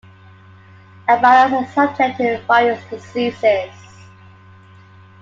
Abalones are subject to various diseases.